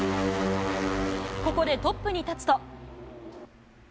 ここでトップに立つと。